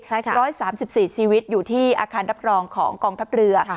ใช่ค่ะ๑๓๔ชีวิตอยู่ที่อาคารรับรองของกองทัพเรือ